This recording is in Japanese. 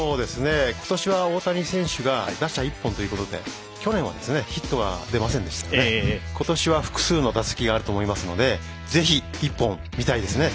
ことしは、大谷選手が打者一本ということで去年はヒットは出ませんでしたのでことしは複数の打席があると思いますのでぜひ、１本見たいですね。